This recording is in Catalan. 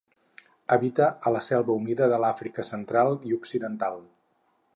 Habita a la selva humida de l'Àfrica Central i Occidental.